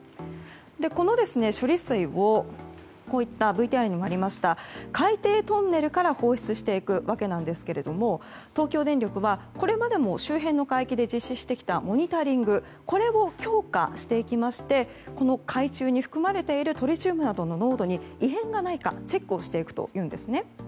この処理水をＶＴＲにもありました海底トンネルから放出していくわけなんですが東京電力はこれまでも周辺の海域で実施してきたモニタリングこれを強化していきまして海中に含まれているトリチウムなどの濃度に異変がないかチェックをしていくというんですね。